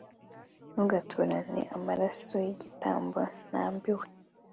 ntugaturane amaraso y igitambo ntambiwe